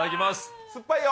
酸っぱいよ。